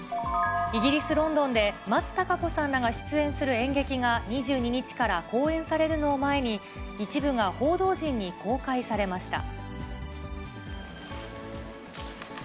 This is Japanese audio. イギリス・ロンドンで松たか子さんらが出演する演劇が２２日から公演されるのを前に、一部が報道陣に公開されました。